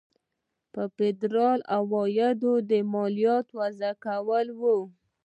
پر فدرالي عوایدو د مالیاتو وضع کول وو.